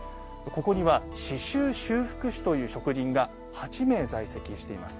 ここには刺しゅう修復士という職人が８名在籍しています。